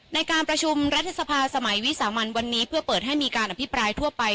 ในการประชุมรัฐสภาสมัยวิสามันวันนี้เพื่อเปิดให้มีการอภิปรายทั่วไป